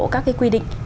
các cái quy định